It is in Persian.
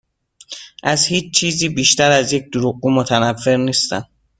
از هیچ چیزی بیشتر از یک دروغگو متنفر نیستم.